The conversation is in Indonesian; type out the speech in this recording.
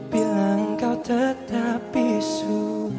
bila engkau tetap isu